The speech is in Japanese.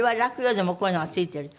でもこういうのが付いてると。